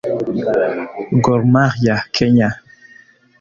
Gor Mahia (Kenya)